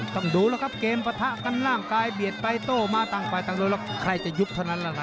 ต้องดูแล้วครับเกมปะทะกันร่างกายเบียดไปโต้มาต่างใครจะยุบเท่านั้นละนะ